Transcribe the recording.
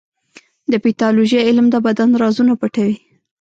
د پیتالوژي علم د بدن رازونه پټوي.